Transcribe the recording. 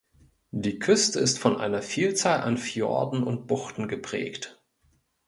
Die Küste ist von einer Vielzahl an Fjorden und Buchten geprägt.